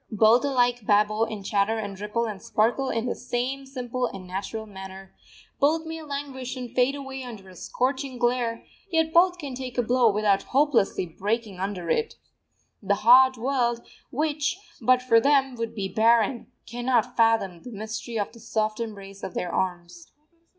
Both alike babble and chatter and ripple and sparkle in the same simple and natural manner; both may languish and fade away under a scorching glare, yet both can take a blow without hopelessly breaking under it. The hard world, which, but for them, would be barren, cannot fathom the mystery of the soft embrace of their arms.